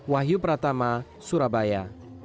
wahyu pratama surabaya